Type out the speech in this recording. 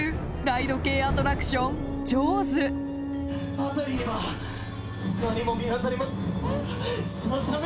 「辺りには何も見当たりま」「ササメ！」